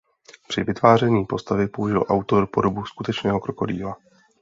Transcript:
Při vytváření postavy použil autor podobu skutečného krokodýla.